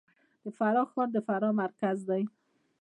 د فراه ښار د فراه مرکز دی